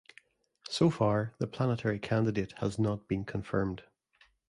So far the planetary candidate has not been confirmed.